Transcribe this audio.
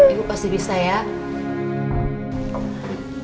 ibu pasti bisa ya